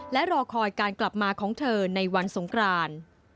และรอคอยการกลับมาของเธอในวันสงคราน